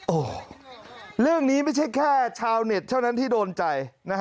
โอ้โหเรื่องนี้ไม่ใช่แค่ชาวเน็ตเท่านั้นที่โดนใจ